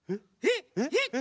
えっ？